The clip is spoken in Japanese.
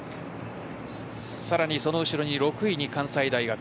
さらにその後ろに６位に関西大学。